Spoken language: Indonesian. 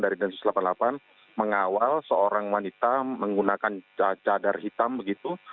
dari densus delapan puluh delapan mengawal seorang wanita menggunakan cadar hitam begitu